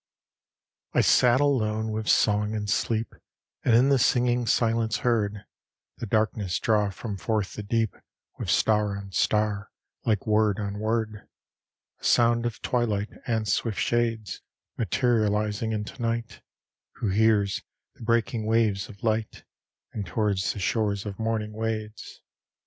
XLVII I sat alone with song and sleep, And in the singing silence heard The darkness draw from forth the deep With star on star, like word on word: A sound of twilight and swift shades Materializing into night, Who hears the breaking waves of light, And towards the shores of morning wades.